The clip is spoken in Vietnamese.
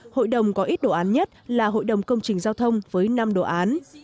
hội đồng có ít đồ án nhất là hội đồng công trình giao thông với năm đồ án